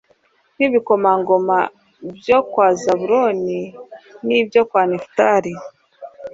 n'ibikomangoma byo kwa zabuloni, n'ibyo kwa nefutali